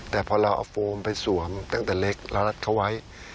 แต่พอเราเอาโฟมไปสวมตั้งแต่เล็กเรารัดเขาไว้